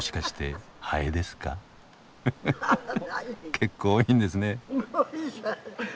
結構多いんですね。